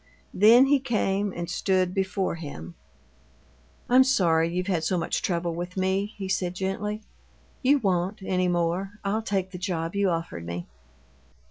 Then he came and stood before him. "I'm sorry you've had so much trouble with me," he said, gently. "You won't, any more. I'll take the job you offered me."